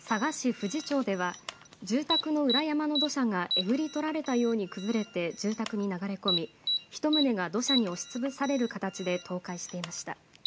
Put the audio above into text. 富士町では住宅の裏山の土砂がえぐり取られたように崩れて住宅に流れ込み１棟が土砂に押しつぶされる形で倒壊していました。